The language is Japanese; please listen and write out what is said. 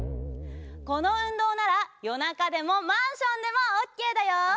このうんどうならよなかでもマンションでもオッケーだよ！